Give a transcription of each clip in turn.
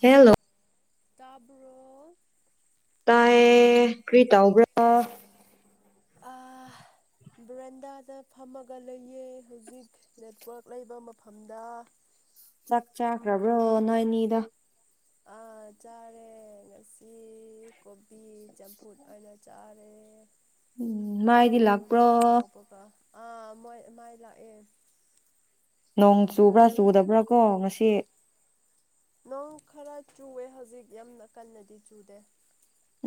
hello ꯇꯥꯕ꯭ꯔꯣ ꯇꯥꯢꯌꯦ ꯀ꯭ꯔꯤꯇꯥꯎꯕ꯭ꯔꯣ ꯑꯥ ꯕ꯭ꯔꯦꯟꯗꯥꯗ ꯐꯝꯃꯒ ꯂꯩꯌꯦ ꯍꯧꯖꯤꯛ ꯅꯦꯠꯋꯔꯥꯛ ꯂꯩꯕ ꯃꯐꯝꯗ ꯆꯥꯛ ꯆꯥꯛꯈ꯭ꯔꯥꯕ꯭ꯔꯣ ꯅꯣꯏꯅꯤꯗ ꯑꯥ ꯆꯥꯔꯦ ꯉꯁꯤ ꯀꯣꯕꯤ ꯆꯝꯐꯨꯠ ꯑꯣꯏꯅ ꯆꯥꯔꯦ ꯎꯝ ꯃꯥꯏꯗꯤ ꯌꯦꯔꯨꯝ ꯂꯥꯛꯄ꯭ꯔꯣ ꯑꯉꯥꯎꯕꯒ ꯑꯥ ꯃꯣꯏ ꯃꯥꯏ ꯂꯥꯛꯑꯦ ꯅꯣꯡ ꯆꯨꯕ꯭ꯔꯥ ꯅꯣꯏꯗꯤ ꯆꯨꯗꯕ꯭ꯔꯥ ꯀꯣ ꯉꯁꯤ ꯅꯣꯡ ꯈꯔ ꯆꯨꯋꯦ ꯍꯧꯖꯤꯛ ꯌꯥꯝꯅ ꯀꯟꯅꯗꯤ ꯆꯨꯗꯦ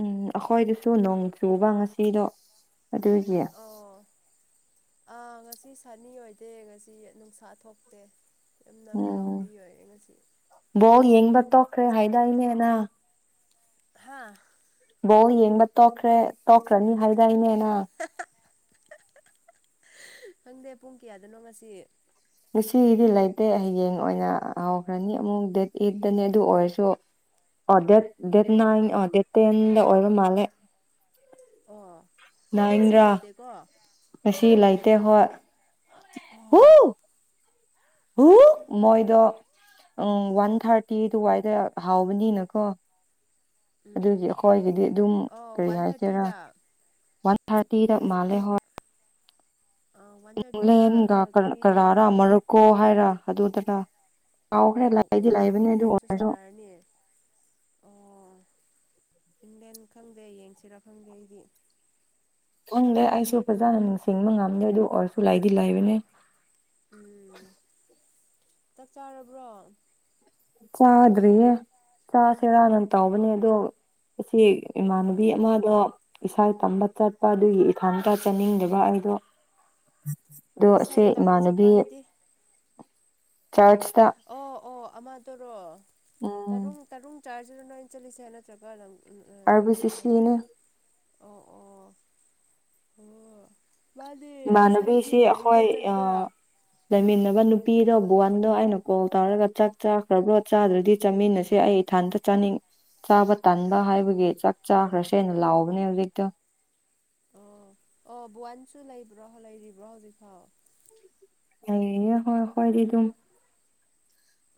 ꯎꯝ ꯑꯩꯈꯣꯏꯗꯁꯨ ꯅꯣꯡ ꯆꯨꯕ ꯉꯁꯤꯗꯣ ꯑꯗꯨꯒꯤ ꯑꯣ ꯑꯥ ꯉꯁꯤ ꯁꯥꯅꯤ ꯑꯣꯏꯗꯦ ꯉꯁꯤ ꯅꯨꯡꯁꯥ ꯊꯣꯛꯇꯦ ꯌꯥꯝꯅ ꯎꯝ ꯀꯂꯥꯎꯗꯤ ꯑꯣꯏꯌꯦ ꯉꯁꯤ ꯀꯩꯅꯦꯅ ꯍꯥꯥ ꯕꯣꯜ ꯌꯦꯡꯕ ꯇꯣꯛꯈ꯭ꯔꯦ ꯇꯣꯛꯈ꯭ꯔꯅꯤ ꯍꯥꯏꯗꯥꯏꯅꯦ ꯅꯪ ꯈꯪꯗꯦ ꯄꯨꯡ ꯀꯌꯥꯗꯅꯣ ꯉꯁꯤ ꯉꯁꯤꯒꯤꯗꯤ ꯂꯩꯇꯦ ꯍꯌꯦꯡ ꯑꯣꯏꯅ ꯍꯧꯈ꯭ꯔꯅꯤ ꯑꯃꯨꯛ ꯗꯦꯠ ꯑꯩꯠꯇꯅꯤ ꯑꯗꯨ ꯑꯣꯏꯔꯁꯨ [inaudible] ꯑꯣ ꯗꯦꯠ ꯗꯦꯠ ꯑꯣ ꯅꯥꯏꯟ ꯑ ꯗꯦꯠ ꯇꯦꯟꯗ ꯑꯣꯏꯕ ꯃꯥꯜꯂꯦ ꯑꯣ ꯑꯣ ꯉꯁꯤ ꯅꯥꯏꯔꯥ ꯂꯩꯇꯦꯀꯣ ꯉꯁꯤ ꯂꯩꯇꯦ ꯍꯣꯏ ꯎꯝ ꯃꯣꯏꯗꯣ ꯎꯝ ꯋꯥꯟ ꯊꯥꯔꯇꯤ ꯑꯗꯨꯋꯥꯏꯗ ꯍꯥꯎꯕꯅꯤꯅꯀꯣ ꯑꯗꯨꯒꯤ ꯑꯩꯈꯣꯏꯒꯤꯗꯤ ꯑꯗꯨꯝ ꯑꯣ ꯋꯥꯟ ꯀꯔꯤꯍꯥꯏꯁꯦꯔꯥ ꯊꯥꯔꯇꯤꯗ ꯋꯥꯟ ꯊꯥꯔꯇꯤꯗ ꯃꯥꯜꯂꯦ ꯍꯣꯏ ꯋꯥꯟ ꯊꯥꯔꯇꯤꯗ ꯏꯪꯂꯦꯟꯒ ꯀꯔꯤ ꯀꯔꯥꯔꯥ ꯇꯤꯝꯅꯣ ꯃꯔꯣꯀꯣ ꯍꯥꯏꯔ ꯑꯗꯨꯗꯔ ꯑꯣ ꯀꯥꯎꯈ꯭ꯔꯦ ꯂꯥꯏꯗꯤ ꯋꯥꯎ ꯂꯥꯏꯕꯅꯦ ꯑꯗꯨ ꯏꯪꯂꯦꯟꯁꯨ ꯑꯣꯏꯔꯁꯨ ꯁꯥꯟꯅꯔꯅꯤ ꯑꯣ ꯏꯪꯂꯦꯟ ꯈꯪꯗꯦ ꯌꯦꯡꯁꯤꯔꯥ ꯈꯪꯗꯦ ꯑꯩꯗꯤ ꯈꯪꯗꯦ ꯑꯩꯁꯨ ꯐꯖꯅ ꯅꯤꯡꯁꯤꯡꯕ ꯉꯝꯗꯦ ꯑꯗꯨ ꯑꯣꯏꯔꯁꯨ ꯂꯩꯏꯗꯤ ꯂꯩꯏꯕꯅꯦ ꯎꯝ ꯆꯥꯛ ꯆꯥꯔꯕ꯭ꯔꯣ ꯆꯥꯗ꯭ꯔꯤꯌꯦ ꯆꯥꯁꯦꯔꯅ ꯇꯥꯎꯕꯅꯦ ꯑꯗꯣ ꯉꯁꯤ ꯏꯃꯥꯟꯅꯕꯤ ꯑꯥ ꯑꯃꯗꯣ ꯏꯁꯩ ꯇꯝꯕ ꯆꯠꯄ ꯑꯗꯨꯒꯤ ꯏꯊꯟꯇ ꯆꯥꯅꯤꯡꯗꯕ ꯑꯩꯗꯣ ꯑꯗꯣ ꯑꯁꯦ ꯏꯁꯩ ꯇꯝꯕ ꯆꯠꯄ ꯏꯃꯥꯟꯅꯕꯤ ꯍꯥꯏꯗꯤ ꯆꯔꯁꯇꯥ ꯑꯣ ꯑꯣ ꯑꯃꯗꯣꯔꯣ ꯎꯝ ꯇꯔꯨꯡ ꯇꯔꯨꯡ ꯆꯥꯔꯁꯤꯗ ꯅꯣꯏꯅ ꯆꯠꯂꯤꯁꯦ ꯅꯠꯇ꯭ꯔꯒ ꯅꯪ ꯑꯥꯔ ꯕꯤ [unintelligible] ꯁꯤ ꯀꯩ ꯍꯥꯏꯇꯔꯦ ꯁꯤꯅꯦ ꯑꯣ ꯑꯣ [unintelligible] ꯃꯥꯗꯤ ꯏꯁꯩꯒꯤ ꯏꯃꯥꯟꯅꯕꯤꯁꯤ ꯂꯥꯏꯟꯗ ꯑꯩꯈꯣꯏ ꯑ ꯆꯠꯄ꯭ꯔꯥ ꯂꯩꯃꯤꯟꯅꯕ ꯅꯨꯄꯤꯗꯣ ꯕꯨꯋꯥꯟꯗꯣ ꯑꯩꯅ ꯀꯣꯜ ꯇꯧꯔꯒ ꯆꯥꯛ ꯆꯥꯈ꯭ꯔꯕ꯭ꯔꯣ ꯆꯥꯗ꯭ꯔꯗꯤ ꯆꯥꯃꯤꯟꯅꯁꯦ ꯑꯩ ꯏꯊꯟꯇ ꯆꯥꯅꯤꯡ ꯆꯥꯕ ꯇꯥꯟꯕ ꯍꯥꯏꯕꯒꯤ ꯆꯥꯛ ꯆꯥꯈ꯭ꯔꯁꯦ ꯍꯥꯏꯅ ꯂꯥꯎꯕꯅꯦ ꯍꯧꯖꯤꯛꯇꯣ ꯑꯣ ꯑꯣ ꯕꯨꯋꯥꯟꯁꯨ ꯂꯩꯕ꯭ꯔꯣ ꯂꯩꯔꯤꯕ꯭ꯔꯣ ꯍꯧꯖꯤꯛꯐꯥꯎ ꯂꯩꯔꯤꯌꯦ ꯑꯈꯣꯏ ꯈꯣꯏꯗꯤꯗꯨꯝ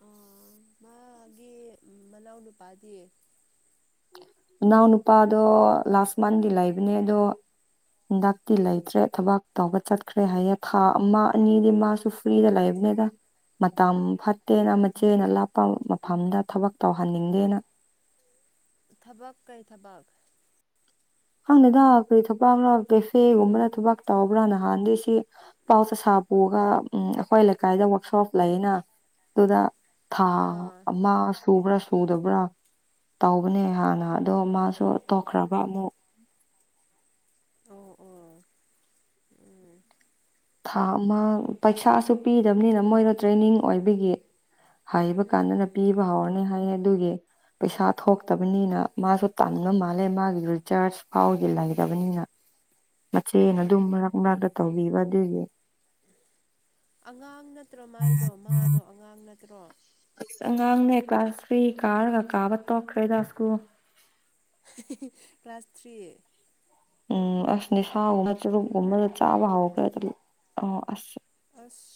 ꯎꯝ ꯃꯥꯒꯤ ꯎꯝ ꯃꯅꯥꯎ ꯅꯨꯄꯥꯗꯤ ꯃꯅꯥꯎ ꯅꯨꯄꯥꯗꯣ ꯂꯥꯁ ꯃꯟꯒꯤ ꯂꯩꯕꯅꯦ ꯑꯗꯣ ꯍꯟꯗꯛꯇꯤ ꯂꯩꯇ꯭ꯔꯦ ꯊꯕꯛ ꯇꯧꯕ ꯆꯠꯈ꯭ꯔꯦ ꯍꯥꯏꯌꯦ ꯊꯥ ꯑꯃ ꯑꯅꯤꯗꯤ ꯃꯥꯁꯨ ꯐ꯭ꯔꯤꯗ ꯂꯥꯏꯕꯅꯦꯗ ꯃꯇꯝ ꯐꯠꯇꯦꯅ ꯃꯆꯦꯅ ꯂꯥꯞꯄ ꯃꯐꯝꯗ ꯊꯕꯛ ꯇꯧꯍꯟꯅꯤꯡꯗꯦꯅ ꯊꯕꯛ ꯀꯩ ꯊꯕꯛ ꯈꯪꯗꯦꯗ ꯀꯔꯤ ꯊꯕꯛꯔꯥ ꯀꯦꯐꯦꯒꯨꯝꯕꯗ ꯊꯕꯛ ꯇꯧꯕ꯭ꯔꯥ ꯅꯍꯥꯟꯗꯤ ꯁꯤ ꯄꯥꯎ [unintelligible] ꯎꯝ ꯑꯩꯈꯣꯏ ꯂꯩꯀꯥꯏꯗ ꯋꯔꯛꯁꯣꯞ ꯂꯩꯌꯦꯅ ꯑꯗꯨꯗ ꯊꯥ ꯑꯥ ꯑꯃ ꯁꯨꯕ꯭ꯔ ꯎꯗꯕ꯭ꯔꯥ ꯇꯧꯕꯅꯦ ꯍꯥꯟꯅ ꯑꯗꯣ ꯃꯥꯁꯨ ꯑꯣ ꯇꯣꯛꯈ꯭ꯔꯕ ꯑꯃꯨꯛ ꯑꯣ ꯑꯣ ꯎꯝ ꯊꯥ ꯑꯃ ꯄꯩꯁꯥꯁꯨ ꯄꯤꯗꯕꯅꯤꯅ ꯃꯣꯏꯅ ꯇ꯭ꯔꯦꯅꯤꯡ ꯑꯣꯏꯕꯒꯤ ꯍꯩꯕ ꯎꯝ ꯀꯥꯟꯗꯅ ꯎꯝ ꯄꯤꯕ ꯍꯧꯔꯅꯤ ꯍꯥꯏꯌꯦ ꯑꯗꯨꯒꯤ ꯄꯩꯁꯥ ꯊꯣꯛꯇꯕꯅꯤꯅ ꯃꯥꯁꯨ ꯇꯟꯕ ꯃꯥꯜꯂꯦ ꯃꯥꯒꯤ ꯔꯤꯆꯥꯔꯁ ꯐꯥꯎꯗꯤ ꯂꯩꯇꯕꯅꯤꯅ ꯃꯆꯦꯅ ꯑꯗꯨꯝ ꯑꯣ ꯃꯔꯛ ꯃꯔꯛꯇ ꯇꯧꯕꯤꯕ ꯑꯗꯨꯒꯤ ꯑꯉꯥꯡ ꯅꯠꯇ꯭ꯔꯣ ꯃꯥꯏꯗꯣ ꯃꯥꯗꯣ ꯑꯉꯥꯡ ꯅꯠꯇ꯭ꯔꯣ ꯑꯁ ꯑꯉꯥꯡꯅꯦ ꯀ꯭ꯂꯥꯁ ꯊ꯭ꯔꯤ ꯀꯥꯔꯒ ꯀꯥꯕ ꯇꯣꯛꯈ꯭ꯔꯦꯗ ꯁ꯭ꯀꯨꯜ [unintelligible] ꯀ꯭ꯂꯥꯁ ꯊ꯭ꯔꯤ ꯎꯝ ꯑꯁ ꯅꯤꯁꯥꯒꯨꯝꯕ ꯆꯨꯔꯨꯞꯒꯨꯝꯕꯗꯨ ꯆꯥꯕ ꯍꯧꯎꯈ꯭ꯔꯦ ꯑꯗꯨꯝ ꯑꯥ ꯑꯁ ꯑꯁ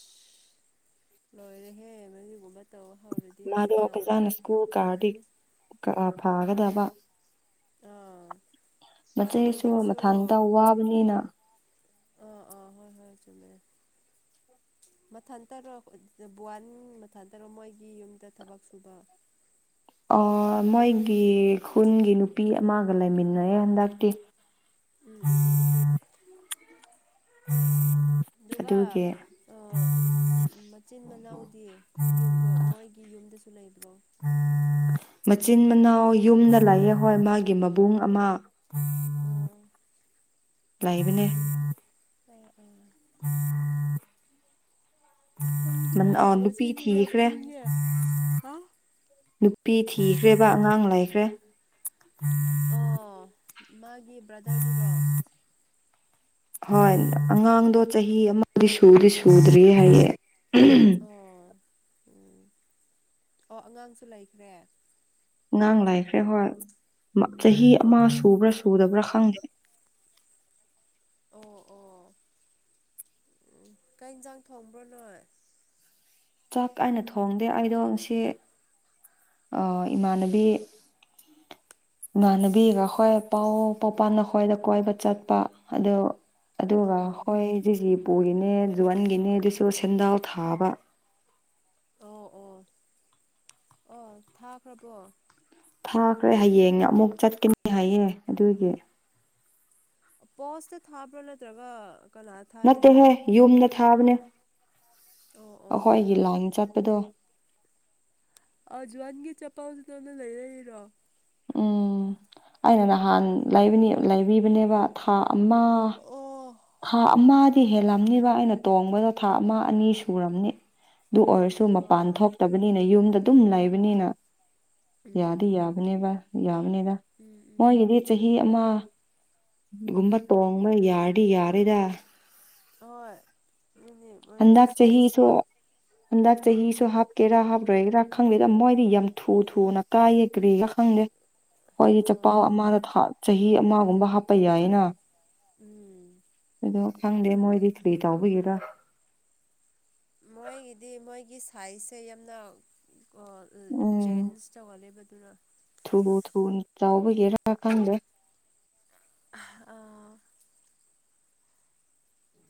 ꯂꯣꯏꯔꯦꯍꯦ ꯃꯗꯨꯒꯨꯝꯕ ꯇꯧ ꯍꯧꯔꯥ ꯃꯥꯗꯣ ꯐꯖꯥꯅ ꯁ꯭ꯀꯨꯜ ꯀꯥꯔꯗꯤ ꯀꯥ ꯐꯥꯒꯗꯕ ꯑꯥ ꯁꯨ ꯃꯆꯦꯁꯨ ꯂꯥꯏꯔꯤꯛꯁꯨ ꯃꯊꯟꯇ ꯋꯥꯕꯅꯤꯅ ꯑꯥ ꯑꯥ ꯍꯣꯏ ꯍꯣꯏ ꯆꯨꯝꯃꯦ ꯃꯊꯟ ꯇꯔꯣ ꯕꯨꯋꯥꯟ ꯃꯊꯟ ꯇꯔꯣ ꯃꯣꯏꯒꯤ ꯌꯨꯝꯗ ꯊꯕꯛ ꯁꯨꯕ ꯑꯣ ꯃꯣꯏꯒꯤ ꯈꯨꯟꯒꯤ ꯅꯨꯄꯤ ꯑꯃꯒ ꯂꯩꯃꯤꯟꯅꯩꯌꯦ ꯍꯟꯗꯛꯇꯤ ꯎꯝ ꯎꯝ [unintelligible] ꯗꯨꯒ ꯑꯗꯨꯒꯤ ꯑꯥ ꯃꯆꯤꯟ ꯃꯅꯥꯎꯗꯤ ꯌꯨ ꯃꯣꯏꯒꯤ ꯌꯨꯝꯗꯁꯨ ꯂꯩꯕ꯭ꯔꯣ [inaudible] ꯃꯆꯤꯟ ꯃꯅꯥꯎ ꯌꯨꯝꯗ ꯂꯥꯛꯑꯦ ꯍꯣꯏ ꯃꯥꯒꯤ ꯃꯕꯨꯡ ꯑꯃ [unintelligible] ꯎꯝ ꯂꯩꯕꯅꯦ ꯎꯝ ꯎꯝ [unintelligible] ꯈꯪꯗ꯭ꯔꯦ [unintelligible] ꯅꯨꯄꯤ ꯉꯁꯤꯁꯦ ꯌꯥꯝ ꯊꯤꯈ꯭ꯔꯦ [unintelligible] ꯏꯪꯉꯦ ꯅꯨ- ꯄꯤ ꯊꯤꯈ꯭ꯔꯦꯕ ꯑꯉꯥꯡ ꯂꯩꯈ꯭ꯔꯦ ꯑꯣ ꯃꯥꯒꯤ ꯕ꯭ꯔꯗꯔꯗꯨꯔꯣ ꯍꯣꯏ ꯑꯉꯥꯡꯗꯣ ꯆꯍꯤ ꯑꯃꯗꯤ ꯁꯨꯗꯤ ꯁꯨꯗ꯭ꯔꯤꯌꯦ ꯍꯥꯏꯌꯦ ꯑꯣ ꯎꯝ ꯑꯣ ꯑꯉꯥꯡꯁꯨ ꯂꯩꯈ꯭ꯔꯦ ꯑꯉꯥꯡ ꯂꯥꯏꯈ꯭ꯔꯦ ꯍꯣꯏ ꯃꯥ ꯆꯍꯤ ꯑꯃ ꯁꯨꯕ꯭ꯔꯥ ꯁꯨꯗꯕ꯭ꯔꯥ ꯑꯣ ꯈꯪꯗꯦ ꯑꯣ ꯑꯣ ꯎꯝ ꯀꯩ ꯏꯟꯖꯥꯡ ꯊꯣꯡꯕ꯭ꯔꯣ ꯅꯣꯏ ꯆꯥꯛ ꯑꯩꯅ ꯊꯣꯡꯗꯦ ꯑꯩꯗꯣ ꯉꯁꯤ ꯑꯥ ꯏꯃꯥꯟꯅꯕꯤ [inaudible] ꯏꯃꯥꯟꯅꯕꯤꯒ ꯍꯈꯣꯏ ꯄꯥꯎ ꯄꯥꯎꯄ ꯅꯈꯣꯏꯗ ꯀꯣꯏꯕ ꯆꯠꯄ ꯑꯗꯨ ꯑꯗꯨꯒ ꯑꯥ ꯍꯣꯏꯖꯤꯖꯤ ꯄꯨꯏꯅꯦ ꯖꯣꯟꯒꯤꯅꯦ ꯑꯗꯨꯁꯨ ꯁꯦꯟꯗꯥꯥꯎ ꯊꯥꯕ ꯑꯣ ꯑꯣ ꯑꯣ ꯊꯥꯈ꯭ꯔꯕꯣ ꯊꯥꯈ꯭ꯔꯦ ꯍꯌꯦꯡꯅꯦ ꯑꯃꯨꯛ ꯆꯠꯀꯅꯤ ꯍꯥꯏꯌꯦ ꯑꯗꯨꯒꯤ ꯑꯄꯣꯁꯇ ꯊꯥꯕ꯭ꯔꯥ ꯅꯠꯇ꯭ꯔꯒ ꯀꯅꯥ ꯊꯥꯏꯅꯣ ꯅꯠꯇꯦꯍꯦ ꯌꯨꯝꯗ ꯊꯥꯕꯅꯦ ꯑꯣ ꯑꯣ ꯑꯈꯣꯏꯒꯤ ꯂꯥꯏꯟ ꯆꯠꯄꯗꯣ ꯑ ꯖꯨꯋꯥꯟꯒꯤ ꯆꯄꯥꯎꯗꯨꯗ ꯅꯪꯅ ꯂꯩꯔꯛꯏꯔꯣ ꯎꯝ ꯑꯩꯅ ꯅꯍꯥꯟ ꯂꯩꯕꯅꯤ ꯂꯩꯕꯤꯕꯅꯤꯕ ꯊꯥ ꯑꯃ ꯑꯣ ꯊꯥ ꯑꯃꯗꯤ ꯑꯣ ꯍꯦꯜꯂꯝꯅꯤꯕ ꯑꯩꯅ ꯇꯣꯡꯕꯗꯣ ꯊꯥ ꯑꯃ ꯑꯅꯤ ꯁꯨꯔꯝꯅꯤ ꯑꯗꯨ ꯑꯣꯏꯔꯁꯨ ꯗꯨ ꯃꯄꯥꯟ ꯑꯥ ꯊꯣꯛꯇꯕꯅꯤꯅ ꯌꯨꯝꯗ ꯑꯗꯨꯝ ꯂꯩꯕꯅꯤꯅ ꯎꯝ ꯌꯥꯗꯤ ꯌꯥꯕꯅꯦꯕ ꯌꯥꯕꯅꯤꯗ ꯎꯝ ꯎꯝ ꯃꯣꯏꯒꯤꯗꯤ ꯆꯍꯤ ꯑꯃ ꯒꯨꯝꯕ ꯇꯣꯡꯕ ꯌꯥꯔꯗꯤ ꯌꯥꯔꯦꯗ ꯑꯣꯏ ꯑꯗꯨꯒꯤ ꯍꯟꯗꯛ ꯆꯍꯤꯁꯨ ꯍꯟꯗꯛ ꯎꯝ ꯆꯍꯤꯁꯨ ꯍꯥꯞ ꯀꯦꯔꯥ ꯍꯥꯞꯄꯔꯣꯏꯒꯦꯔꯥ ꯈꯪꯗꯦꯗ ꯃꯣꯏꯗꯤ ꯌꯥꯝ ꯊꯨ ꯊꯨꯅ ꯀꯥꯏꯌꯦ ꯀ꯭ꯔꯤꯔ ꯈꯪꯗꯦ ꯍꯣꯏꯒꯤ ꯑꯥ ꯆꯄꯥꯎ ꯑꯗꯨꯅꯦ ꯑꯃꯗ ꯊꯥ ꯆꯍꯤ ꯑꯃꯒꯨꯝꯕ ꯍꯥꯞꯄ ꯌꯥꯏꯌꯦꯅ ꯎꯝ ꯑꯗꯣ ꯈꯪꯗꯦ ꯑꯗꯨꯅꯦ ꯃꯣꯏꯗꯤ ꯀꯔꯤ ꯇꯥꯎꯕꯒꯤꯔꯥ ꯃꯣꯏꯒꯤꯗꯤ ꯃꯣꯏꯒꯤ ꯁꯥꯏꯖꯁꯦ ꯌꯥꯝꯅ ꯑ ꯎꯝ ꯆꯦꯟꯁ ꯆꯥꯎꯍꯜꯂꯦꯕꯗꯨꯅ ꯊꯨ ꯊꯨꯅ ꯇꯧꯕꯒꯤꯔ ꯈꯪꯗꯦ ꯑꯥ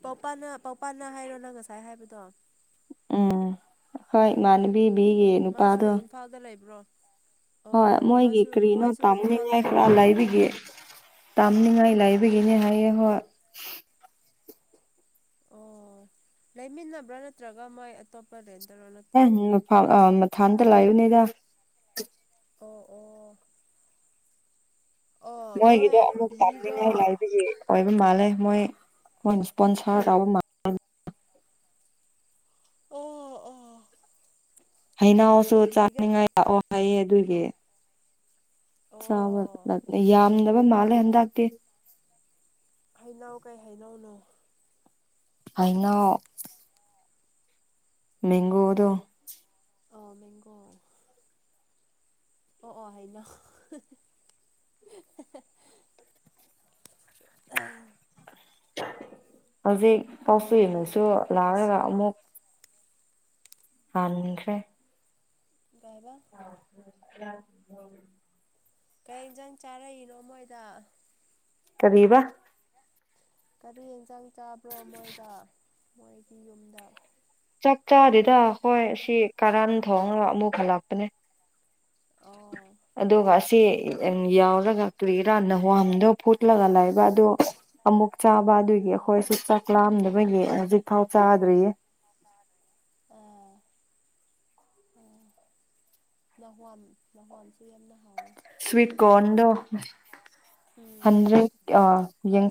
ꯄꯥꯎꯄꯥꯅ ꯄꯥꯎꯄꯥꯅ ꯍꯥꯏꯔꯣ ꯅꯪ ꯉꯁꯥꯏ ꯍꯥꯏꯕꯗꯣ ꯎꯝ ꯍꯣꯏ ꯏꯃꯥꯟꯅꯕꯤꯕꯤꯒꯤ ꯃꯥꯁꯨ ꯅꯨꯄꯥꯗꯣ ꯏꯝꯐꯥꯜꯗ ꯂꯩꯕ꯭ꯔꯣ ꯑꯣ ꯍꯣꯏ ꯑꯣ ꯃꯣꯏꯒꯤ ꯃꯥꯁꯨ ꯀꯔꯤꯅꯣ ꯃꯣꯏꯁꯨ ꯏꯝꯐꯥꯜꯗ ꯇꯝꯅꯤꯡꯉꯥꯏ ꯈꯔ ꯂꯩꯕ꯭ꯔꯣ ꯂꯩꯕꯤꯒꯦ ꯇꯥꯅꯤꯡꯉꯥꯏ ꯂꯩꯥꯏꯕꯒꯤꯅꯤ ꯍꯥꯏꯌꯦ ꯍꯣꯏ ꯑꯣ ꯂꯩꯃꯤꯟꯅꯕ꯭ꯔꯥ ꯅꯠꯇ꯭ꯔꯒ ꯃꯣꯏ ꯑꯇꯣꯞꯄ ꯔꯦꯟꯇꯔꯣ ꯅ ꯑ ꯑ ꯃꯊꯟꯗ ꯂꯩꯕꯅꯦꯗꯥ ꯑꯣ ꯑꯣ ꯑꯣ ꯃꯣꯏ ꯃꯣꯏꯒꯤꯗꯣ ꯑꯃꯨꯛ ꯕꯤꯒ ꯇꯥꯅꯤꯡꯉꯥꯏ ꯂꯩꯕꯒꯤ ꯑꯣꯏꯕ ꯃꯥꯜꯂꯦ ꯃꯣꯏ ꯃꯣꯏꯅ ꯏꯁꯄꯣꯟꯁꯔ ꯇꯧꯕ ꯃꯥꯜ ꯑꯣ ꯑꯣ ꯍꯩꯅꯧꯁꯨ ꯕꯤꯒ ꯆꯥꯅꯤꯡꯉꯥꯏ ꯂꯥꯛꯑꯣ ꯍꯥꯏꯌꯦ ꯑꯗꯨꯒꯤ ꯆꯥꯕ ꯑꯣ ꯌꯥꯝꯗꯕ ꯃꯥꯜꯂꯦ ꯍꯟꯗꯛꯇꯤ ꯍꯩꯅꯧ ꯀꯩ ꯍꯩꯅꯧꯅꯣ ꯍꯩꯉꯥꯎ ꯃꯦꯡꯒꯣꯗꯣ ꯑ ꯃꯦꯡꯒꯣ ꯑꯣ ꯑꯣ ꯍꯩꯅꯧ ꯑ ꯍꯧꯖꯤꯛ ꯋꯥꯔꯦ ꯄꯥꯎꯆꯦꯟꯅꯁꯨ ꯌꯥꯝꯅ ꯂꯥꯛꯔꯒ ꯉꯁꯤ ꯑꯃꯨꯛ ꯍꯟꯈ꯭ꯔꯦ ꯒꯩꯕꯥ [inaudible] ꯀꯩ ꯌꯦꯟꯖꯥꯡ ꯆꯥꯔꯛꯏꯅꯣ ꯃꯣꯏꯗ ꯀꯔꯤꯕ ꯀꯔꯤ ꯌꯦꯟꯖꯥꯡ ꯆꯥꯕ꯭ꯔꯣ ꯃꯣꯏꯗ ꯃꯣꯏꯒꯤ ꯌꯨꯝꯗ ꯆꯥꯛ ꯆꯥꯗꯦꯗꯥ ꯍꯣꯏ ꯁꯤ ꯀꯔꯟ ꯊꯣꯡꯉꯥꯒ ꯑꯃꯨꯛ ꯍꯜꯂꯛꯄꯅꯦ ꯑꯣ ꯑꯗꯨꯒ ꯑꯁꯤ ꯌꯥꯎꯔꯒ ꯀꯔꯤꯔꯥ ꯅꯍꯋꯥꯝꯗꯣ ꯐꯨꯠꯂꯒ ꯂꯩꯕ ꯑꯗꯣ ꯑꯃꯨꯛ ꯆꯥꯕ ꯑꯗꯨꯒꯤ ꯑꯥ ꯑꯩꯈꯣꯏꯁꯨ ꯆꯥꯛ ꯂꯥꯝꯗꯥꯕꯒꯤ ꯍꯧꯖꯤꯛꯐꯥꯎ ꯆꯥꯗ꯭ꯔꯤꯌꯦ ꯑꯥ ꯑꯥ ꯅꯍꯋꯥꯝ ꯅꯍꯋꯥꯝꯁꯨ ꯌꯥꯝꯅ ꯍꯥꯎꯋꯦ ꯁ꯭ꯋꯤꯠ ꯀꯣꯔꯟꯗꯣ ꯎꯝ ꯍꯟꯗ꯭ꯔꯦꯠ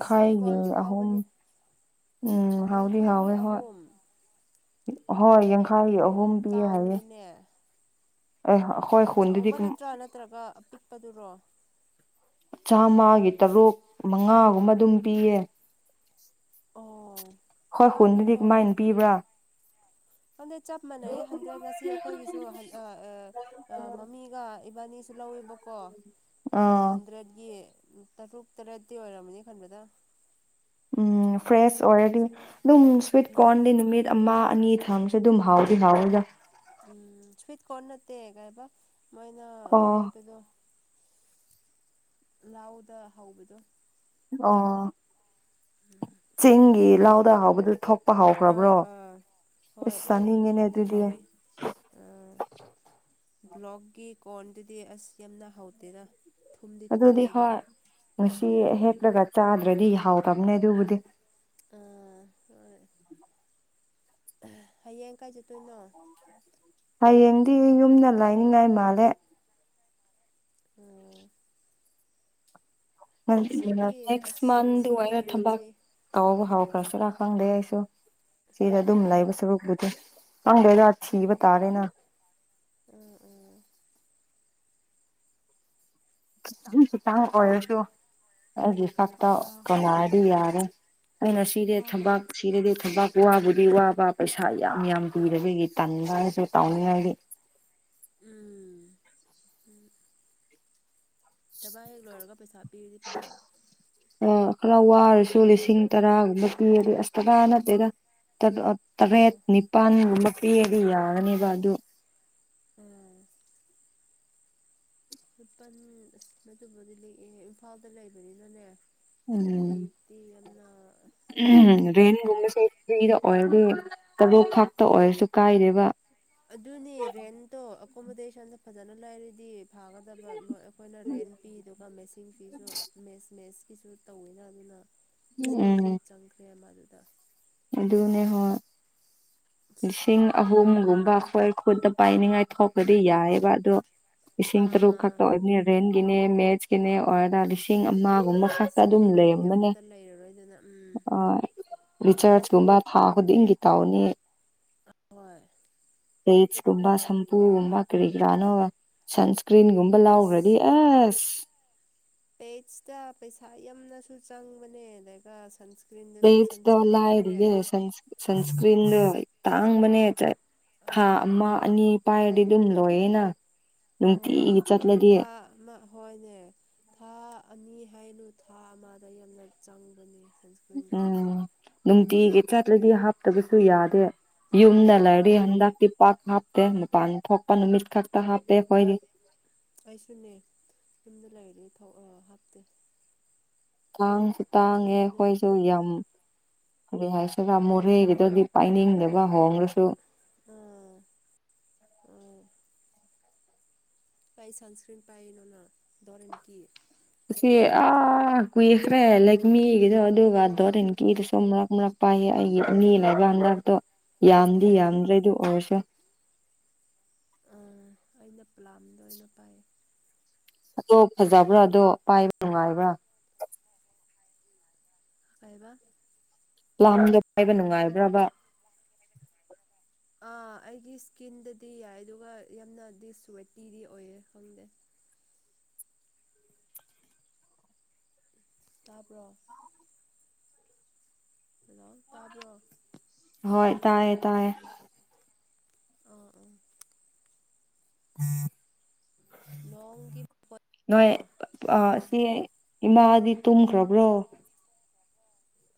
ꯁ꯭ꯋꯤꯠ ꯀꯣꯔꯟꯁꯨ ꯑꯍꯨꯝ ꯍꯥꯎꯕꯅꯤ ꯎꯝ ꯍꯥꯎꯗꯤ ꯌꯥꯡꯈꯩꯒꯤ ꯍꯥꯎꯋꯦ ꯍꯣꯏ ꯑꯍꯨꯝ ꯍꯣꯏ ꯌꯥꯡꯈꯩꯒꯤ ꯑꯍꯨꯝ ꯄꯤꯌꯦ ꯍꯥꯏꯌꯦ ꯅꯦ ꯑꯦ ꯑꯈꯣꯏ ꯈꯨꯗꯗꯤ [unintelligible] ꯅꯠꯇ꯭ꯔꯥ ꯅꯠꯇ꯭ꯔꯒ ꯑꯄꯤꯛꯄꯗꯨꯔꯣ ꯆꯥꯝꯃꯒꯤ ꯇꯔꯨꯛ ꯃꯉꯥꯒꯨꯝꯕ ꯑꯗꯨꯝ ꯄꯤꯌꯦ ꯑꯣ ꯍꯣꯏ ꯍꯨꯟꯗꯨꯗꯤ ꯇꯥꯡꯉꯤꯀꯣ ꯀꯃꯥꯏꯅ ꯄꯤꯕ꯭ꯔꯥ ꯍꯟꯗ꯭ꯔꯦꯠ ꯆꯞ ꯃꯥꯟꯅꯩꯌꯦ ꯍꯟꯗ꯭ꯔꯦꯗ ꯉꯁꯤ ꯑꯩꯈꯣꯏꯒꯤꯁꯨ ꯃꯃꯤꯒ ꯏꯕꯥꯅꯤꯁꯨ ꯂꯧꯋꯦꯕꯀꯣ ꯑꯥ ꯍꯟꯗ꯭ꯔꯦꯠꯒꯤ ꯇꯔꯨꯛ ꯇꯔꯦꯠꯇꯤ ꯑꯣꯏꯔꯝꯃꯅꯤ ꯈꯟꯕꯗ ꯎꯝ ꯐ꯭ꯔꯦꯁ ꯑꯣꯏꯔꯦꯗꯤ ꯑꯗꯨꯝ ꯁ꯭ꯋꯤꯠ ꯎꯝ ꯀꯣꯔꯟꯗꯤ ꯅꯨꯃꯤꯠ ꯑꯃ ꯑꯅꯤ ꯊꯝꯁꯨ ꯑꯗꯨꯝ ꯍꯥꯎꯗꯤ ꯍꯥꯎꯏꯗ ꯎꯝ ꯁ꯭ꯋꯤꯠ ꯀꯣꯔꯟ ꯅꯠꯇꯦ ꯀꯩ ꯍꯥꯏꯕ ꯃꯣꯏꯅ ꯑꯣ ꯍꯥꯏꯕꯗꯣ ꯂꯥꯎꯗ ꯍꯧꯕꯥꯗꯣ ꯑꯣ ꯎꯝ ꯆꯤꯡꯒꯤ ꯂꯥꯎꯗ ꯍꯥꯎꯕꯗꯨ ꯊꯣꯛ ꯑꯥ ꯑꯥ ꯍꯣꯏ ꯍꯥꯎꯈ꯭ꯔꯦ ꯆꯥꯅꯤꯡꯉꯦꯅꯦ ꯌꯥꯝꯅ ꯑꯗꯨꯗꯤ ꯍꯥꯎꯋꯤ ꯑꯥ ꯕ꯭ꯂꯣꯛꯀꯤ ꯀꯔꯣꯟꯗꯨꯗꯤ ꯑꯁ ꯌꯥꯝꯅ ꯍꯥꯎꯇꯦꯅ ꯑꯗꯨꯗꯤ ꯍꯣꯏ ꯉꯁꯤ ꯎꯝ ꯍꯦꯛꯂꯒ ꯆꯥꯗ꯭ꯔꯗꯤ ꯌꯥꯥꯎꯗꯕꯅꯦ ꯑꯗꯨꯕꯨꯗꯤ ꯑꯥ ꯍꯣꯏ ꯍꯌꯦꯡ ꯀꯥꯏ ꯆꯠꯇꯣꯏꯅꯣ ꯍꯌꯦꯡꯗꯤ ꯌꯨꯝꯗ ꯂꯥꯏꯅꯤꯡꯉꯥꯏ ꯃꯥꯜꯂꯦ ꯎꯝ ꯉꯁꯤꯒꯤ ꯅꯦꯛꯁ ꯑꯁ ꯃꯥꯟꯗꯩ ꯉꯁꯤꯒꯤ ꯑꫭꯏꯔ ꯊꯕꯛ ꯅꯨꯃꯤꯠꯁꯦ ꯇꯥꯎꯕ ꯍꯥꯎꯈ꯭ꯔꯁꯤꯔ ꯈꯪꯗꯦ ꯑꯩꯁꯨ ꯆꯦꯗ ꯑꯗꯨꯝ ꯀꯗꯥꯏꯗ ꯂꯩꯕ ꯁꯔꯨꯛꯄꯨꯗꯤ ꯈꯪꯗꯦꯗꯥ ꯎꯝ ꯊꯤꯕ ꯇꯥ꯭ꯔꯦꯅ ꯎꯝ ꯎꯝ ꯈꯤꯇꯪ ꯈꯤꯇꯪ ꯑꯣꯏꯔꯁꯨ ꯑꯩꯒꯤ ꯍ ꯈꯛꯇ ꯀꯣꯟꯅꯔꯗꯤ ꯌꯥꯔꯦ ꯑꯩꯅ ꯁꯤꯗꯦ ꯍꯣ ꯍꯣ ꯊꯕꯛ ꯁꯤꯗꯗꯤ ꯊꯕꯛ ꯋꯥꯕꯨꯗꯤ ꯋꯥꯕ ꯄꯩꯁꯥ ꯌꯥꯝ ꯌꯥꯝ ꯀꯨꯏꯕꯒꯤ ꯇꯟꯕ ꯍꯥꯏꯔꯁꯨ ꯇꯥꯎꯅꯤꯡꯉꯥꯏꯗꯤ ꯎꯝ ꯎꯝ ꯊꯕ ꯍꯦꯛ ꯂꯣꯏꯔꯒ ꯄꯩꯁꯥ ꯄꯤꯔꯤꯗꯤ ꯐꯥꯕ ꯑ ꯈꯔ ꯋꯥꯔꯁꯨ ꯂꯤꯁꯤꯡ ꯇꯔꯥꯒꯨꯝꯕ ꯄꯤꯔꯗꯤ ꯑꯁ ꯊꯥꯊꯥ ꯅꯠꯇꯦꯗ ꯇꯔꯦꯠ ꯑꯣ ꯅꯤꯄꯥꯜꯒꯨꯝꯕ ꯄꯤꯔꯗꯤ ꯌꯥꯒꯅꯦꯕ ꯑꯗꯨ ꯎꯝ ꯂꯨꯄꯜ ꯑꯁ ꯑꯗꯨꯕꯨꯗꯤ ꯂꯦꯛꯑꯦ ꯏꯝꯐꯥꯜꯗ ꯂꯩꯕꯅꯤꯅꯅꯦ ꯎꯝ ꯑꯇꯩꯗꯤ ꯌꯥꯝꯅ ꯂꯤꯛꯄꯗꯤ ꯂꯤꯛꯄꯅꯦ ꯔꯦꯟꯒꯨꯝꯕꯁꯦ ꯐ꯭ꯔꯤꯗ ꯑꯣꯏꯔꯗꯤ ꯇꯥꯔꯨꯛ ꯈꯥꯛꯇ ꯑꯣꯏꯔꯁꯨ ꯀꯥꯏꯗꯦꯕ ꯑꯗꯨꯅꯤ ꯔꯦꯟꯇꯣ ꯑꯦꯀꯣꯃꯣꯗꯦꯁꯟꯗ ꯐꯖꯅ ꯂꯩꯔꯗꯤ ꯐꯥꯒꯗꯕ ꯃꯣꯏ ꯑꯩꯈꯣꯏꯅ ꯔꯦꯟ ꯄꯤꯗꯨꯒ ꯃꯦꯁꯤꯡ ꯄꯤꯁꯨ ꯃꯦꯁ ꯃꯦꯁꯀꯤꯁꯨ ꯇꯧꯋꯦꯅ ꯑꯗꯨꯅ ꯄꯩꯁꯥ ꯎꯝ ꯂꯣꯏ ꯆꯪꯈ꯭ꯔꯦ ꯑꯃꯗꯨꯗ ꯑꯗꯨꯅꯦ ꯍꯣꯏ ꯑꯁ ꯂꯤꯁꯤꯡ ꯈꯪꯗ꯭ꯔꯦꯗ ꯑꯍꯨꯝꯒꯨꯝꯕ ꯑꯩꯈꯣꯏ ꯈꯨꯠꯇ ꯄꯥꯏꯅꯤꯡꯉꯥꯏ ꯊꯣꯛꯄꯗꯤ ꯌꯥꯏꯑꯦꯕ ꯑꯗꯣ ꯂꯤꯁꯤꯡ ꯇꯔꯨꯛ ꯑꯥ ꯈꯛꯇ ꯑꯣꯏꯕꯅꯤ ꯔꯦꯟ ꯒꯤꯅꯦ ꯃꯦꯠꯆꯀꯤꯅꯦ ꯑꯣꯔꯗꯥ ꯂꯤꯁꯤꯡ ꯑꯃꯒꯨꯝꯕ ꯉꯥꯛꯇ ꯑꯗꯨꯝ ꯁꯦꯚꯤꯡꯒꯤꯗꯤ ꯂꯦꯝꯕꯅꯦ ꯑꯝꯇ ꯂꯩꯔꯔꯣꯏꯗꯅ ꯎꯝ ꯑ ꯔꯤꯆꯔꯆꯀꯨꯝꯕ ꯊꯥ ꯈꯨꯗꯤꯡꯒꯤ ꯇꯧꯅꯤ ꯍꯣꯏ ꯐꯠꯁ ꯀꯨꯝꯕ ꯁꯝꯄꯨꯒꯨꯝꯕ ꯀꯔꯤꯒ꯭ꯔꯅꯣ ꯁꯟꯁꯀ꯭ꯔꯤꯟꯒꯨꯝꯕ ꯂꯥꯎꯈ꯭ꯔꯗꯤ ꯑꯁ ꯑꯁ ꯄꯦꯠꯁꯇ ꯄꯩꯁꯥ ꯌꯥꯝꯅꯁꯨ ꯆꯪꯕꯅꯦ ꯑꯗꯨꯒ ꯁꯟ ꯄꯦꯠꯁꯇ ꯇꯣ ꯂꯥꯢꯔꯤꯌꯦ ꯁꯥꯏꯟꯁ ꯢꯁꯀꯔꯦꯟ ꯁꯟꯁꯀ꯭ꯔꯤꯟꯗ ꯇꯥꯡꯕꯅꯦ ꯊꯥ ꯑꯥ ꯑꯃ ꯑꯅꯤ ꯄꯥꯏꯔꯗꯤ ꯑꯗꯨꯝ ꯂꯣꯏꯌꯦꯅ ꯍꯣꯏ ꯅꯨꯡꯇꯤꯒꯤ ꯆꯠꯂꯗꯤ ꯊꯥ ꯑꯃ ꯍꯣꯏꯅꯦ ꯊꯥ ꯑꯅꯤ ꯍꯥꯏꯅꯨ ꯊꯥ ꯑꯃꯗ ꯌꯥꯝꯅ ꯆꯪꯕꯅꯦ ꯁꯟꯁꯀ꯭ꯔꯤꯟꯗꯣ ꯎꯝ ꯅꯨꯡꯇꯤꯒꯤ ꯆꯥꯠꯔꯗꯤ ꯍꯥꯞꯇꯕꯁꯨ ꯌꯥꯗꯦ ꯎꯝ ꯌꯨꯝꯗ ꯎꯝ ꯂꯩꯔꯤ ꯍꯟꯗꯛꯇꯤ ꯄꯥꯛ ꯍꯥꯞꯇꯦ ꯅꯨꯄꯥꯟ ꯊꯣꯛꯄ ꯅꯨꯃꯤꯠ ꯈꯛꯇ ꯍꯥꯞꯄꯦ ꯑꯩꯈꯣꯢꯗꯤ ꯑꯩꯁꯨꯅꯦ ꯌꯨꯝꯗ ꯂꯩꯔꯤꯗꯤ ꯍꯥꯞꯇꯦ ꯇꯥꯡꯁꯨ ꯇꯥꯡꯉꯦ ꯑꯗꯨꯅꯅꯦ ꯑꯩꯈꯣꯏꯁꯨ ꯌꯥꯝ ꯀꯔꯤ ꯍꯥꯏꯁꯤꯔꯥ ꯃꯣꯔꯦꯒꯤꯗꯨꯗꯤ ꯄꯥꯏꯅꯤꯡꯗꯅꯕ ꯍꯣꯡꯉꯁꯨ ꯑꯥ ꯑꯣ ꯀꯩ ꯁꯟꯁꯀ꯭ꯔꯤꯟ ꯄꯥꯏꯕꯅꯣ ꯗꯣꯔꯦꯟꯒꯤ ꯁꯤ ꯑ ꯀꯨꯏꯈꯔꯦ ꯂꯩꯠꯃꯤ ꯑꯗꯨꯒꯥ ꯗꯔ [inaudible] ꯍ ꯆ ꯃꯔꯛ ꯃꯔꯛ ꯄꯥꯏꯌꯦ ꯑꯩꯒꯤ ꯏꯅꯦ ꯂꯩꯕꯥꯛꯖꯥꯛꯇꯣ ꯌꯥꯝꯗꯤ ꯑꯥ ꯌꯥꯝꯗ꯭ꯔꯦꯗ ꯑꯣꯏꯔꯁꯨ ꯑ ꯑꯩꯅ ꯄꯂꯥꯝꯗ ꯑꯣꯏꯅ ꯄꯥꯏꯌꯦ ꯑꯗꯣ ꯐꯖꯕ꯭ꯔꯥ ꯑꯗꯣ ꯄꯥꯏꯕ ꯅꯨꯡꯉꯥꯏꯕ꯭ꯔꯥ ꯀꯩꯕ ꯄꯂꯥꯝꯗꯣ ꯄꯥꯏꯕ ꯅꯨꯡꯉꯥꯏꯕ꯭ꯔꯕ ꯑꯥ ꯑꯩꯒꯤ ꯏꯁꯀꯤꯟꯗꯗꯤ ꯌꯥꯏ ꯑꯗꯨꯒ ꯌꯥꯝꯅꯗꯤ ꯁ꯭ꯋꯦꯇꯤꯗꯤ ꯑꯣꯏꯌꯦ ꯈꯪꯗꯦ ꯇꯥꯕ꯭ꯔꯣ ꯍꯜꯂꯣ ꯇꯥꯕ꯭ꯔꯣ ꯍꯣꯏ ꯇꯥꯏꯌꯦ ꯇꯥꯏꯌꯦ ꯑꯥ ꯑꯥ ꯅꯣꯡꯒꯤ ꯃꯈꯣꯟ ꯅꯣꯏ ꯔꯣ ꯁꯤ ꯏꯃꯥꯗꯤ ꯇꯨꯝꯈ꯭ꯔꯕ꯭ꯔꯣ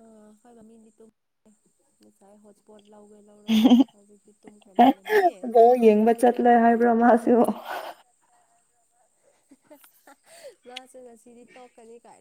ꯑ ꯍꯣꯏꯒꯃꯤ ꯏꯗꯤꯠꯇꯁꯥꯏ [inaudible] ꯍꯣꯠꯁꯄꯣꯠ ꯂꯥꯎꯒ ꯂꯧꯔꯒ ꯍꯧꯖꯤꯛꯇꯤ ꯇꯨꯝ ꯈꯔ ꯃꯥꯜꯂꯝꯃꯤ ꯕꯣꯜ ꯌꯦꯡꯕ ꯆꯠꯂꯣꯢ ꯍꯥꯏꯕ꯭ꯔꯣ ꯃꯥꯁꯨ ꯃꯥꯁꯦ ꯉꯁꯤꯗꯤ ꯇꯣꯛꯀꯅꯤ ꯀꯥꯏꯅ